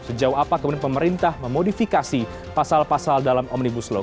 sejauh apa kemudian pemerintah memodifikasi pasal pasal dalam omnibus law